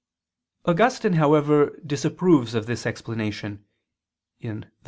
'" Augustine, however, disapproves of this explanation (Gen. ad lit.